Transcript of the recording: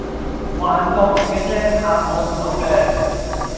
幻覺嚟架啫，嚇我唔倒嘅